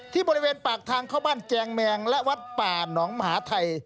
ที่บริเวณปากทางเข้าบ้านแจงแมงและวัดป่าหนองมหาไทย